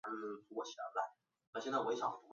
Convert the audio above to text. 大雷夫。